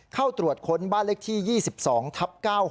เข้าตรวจค้นบ้านเลขที่๒๒ทับ๙๖